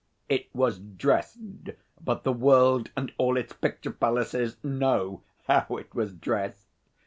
It was dressed but the world and all its picture palaces know how it was dressed.